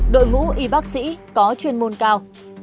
đội ngũ y bác sĩ có chuyên môn cao